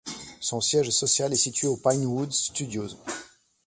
Son siège social est basé aux Pinewood Studios.